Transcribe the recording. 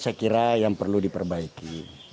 saya kira yang perlu diperbaiki